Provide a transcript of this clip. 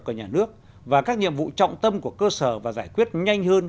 của nhà nước và các nhiệm vụ trọng tâm của cơ sở và giải quyết nhanh hơn